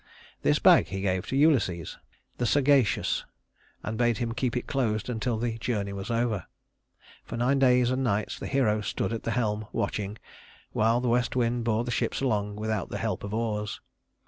This bag he gave to Ulysses, "the sagacious," and bade him keep it closed until the journey was over. For nine days and nights the hero stood at the helm watching, while the west wind bore the ships along without the help of oars.